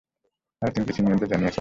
আরে, তুমি কি সিনিয়রদের জানিয়েছ?